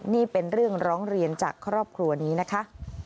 นี่เป็นเรื่องร้องเรียนจากครอบครัวนี้นะคะ